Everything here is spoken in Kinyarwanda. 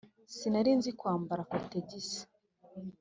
sinari nzi kwambara kotegisi”